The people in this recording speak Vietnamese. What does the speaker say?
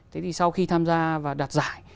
thế thì sau khi tham gia và đạt giải